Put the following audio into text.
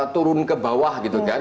turun ke bawah gitu kan